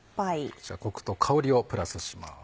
こちらコクと香りをプラスします。